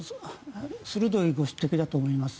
鋭いご指摘だと思います。